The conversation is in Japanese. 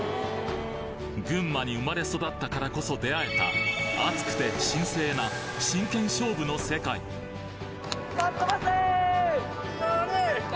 群馬に生まれ育ったからこそ出会えた熱くて神聖な真剣勝負の世界かっとばせ！